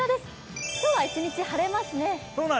今日は一日晴れますね。